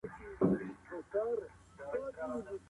هغه څېړونکی چي رښتیا وایي تل د خلګو په زړه کي وي.